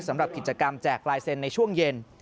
สำหรับกิจกรรมแจกลายเซ็นต์ในช่วงเย็น